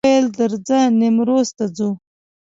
راته وویل درځه نیمروز ته ځو.